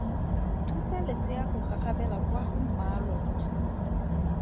Thusa lesea go gagabela kwa go mmaalona.